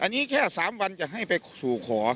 นี่แค่๓วันจะให้ไปหุขขอ